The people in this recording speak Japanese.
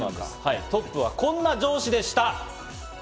トップはこんな上司でした。